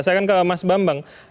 saya akan ke mas bambang